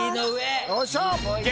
よっしゃ！